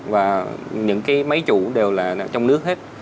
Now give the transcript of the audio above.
và những cái máy chủ đều là trong nước hết